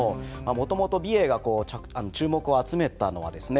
もともと美瑛が注目を集めたのはですね